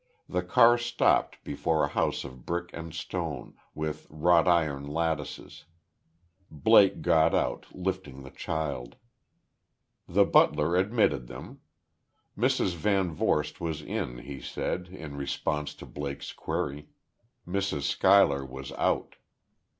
The car stopped before a house of brick and stone, with wrought iron lattices. Blake got out, lifting the child. The butler admitted them. Mrs. VanVorst was in, he said, in response to Blake's query; Mrs. Schuyler was out....